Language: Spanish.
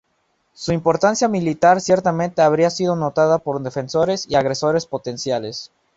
Su importancia militar ciertamente habría sido notada por defensores y agresores potenciales.